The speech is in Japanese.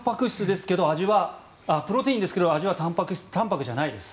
プロテインですけど味は淡泊じゃないです。